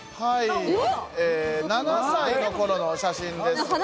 ７歳の頃の写真ですね。